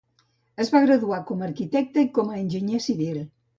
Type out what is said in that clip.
Es va graduar com arquitecte i com enginyer civil.